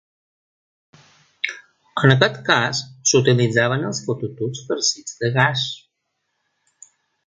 En aquest cas, s'utilitzaven els fototubs farcits de gas.